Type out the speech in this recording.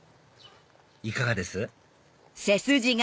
いかがです？